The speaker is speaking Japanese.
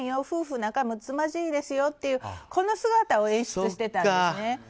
夫婦仲むつまじいですよっていう姿を演出してたんですね。